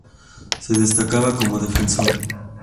Se destacaba como defensor.